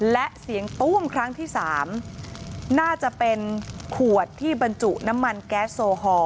และเสียงตู้มครั้งที่๓น่าจะเป็นขวดที่บรรจุน้ำมันแก๊สโซฮอล